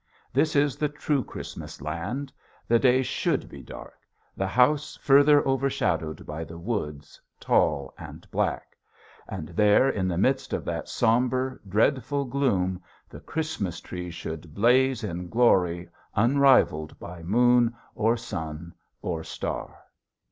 This is the true Christmas land. The day should be dark, the house further overshadowed by the woods, tall and black. And there in the midst of that somber, dreadful gloom the Christmas tree should blaze in glory unrivaled by moon or sun or star.